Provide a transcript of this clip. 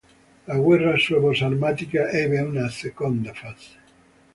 La guerra suebo-sarmatica ebbe una seconda fase.